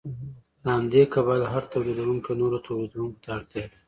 له همدې کبله هر تولیدونکی نورو تولیدونکو ته اړتیا لري